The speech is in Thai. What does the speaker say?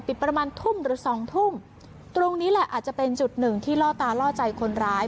ประมาณทุ่มหรือสองทุ่มตรงนี้แหละอาจจะเป็นจุดหนึ่งที่ล่อตาล่อใจคนร้าย